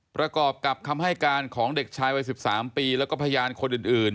ประกอบกับคำให้การของเด็กชายวัย๑๓ปีแล้วก็พยานคนอื่น